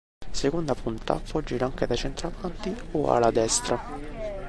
Seconda punta, può agire anche da centravanti o ala destra.